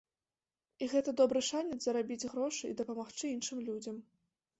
І гэта добры шанец зарабіць грошы і дапамагчы іншым людзям.